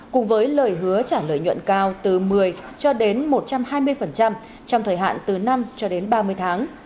cùng với lời hứa trả lợi nhuận cao từ một mươi cho đến một trăm hai mươi trong thời hạn từ năm cho đến ba mươi tháng